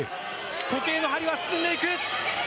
時計の針は進んでいく！